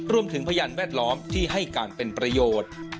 พยานแวดล้อมที่ให้การเป็นประโยชน์